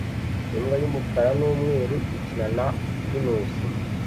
Imbwa y'umukara n'umweru ikina na pinusi